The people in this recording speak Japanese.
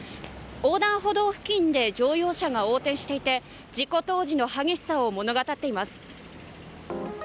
横断歩道付近で乗用車が横転していて事故当時の激しさを物語っています。